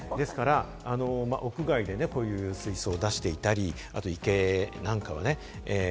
ですから、屋外でこういう水槽を出していたり、池なんかはね。